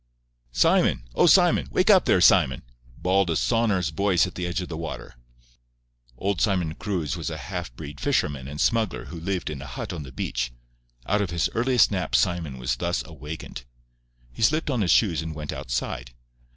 "Simon!—Oh, Simon!—wake up there, Simon!" bawled a sonorous voice at the edge of the water. Old Simon Cruz was a half breed fisherman and smuggler who lived in a hut on the beach. Out of his earliest nap Simon was thus awakened. He slipped on his shoes and went outside.